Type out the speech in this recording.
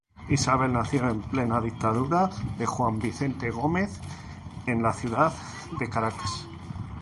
Isabel nació en plena dictadura de Juan Vicente Gómez en la ciudad de Caracas.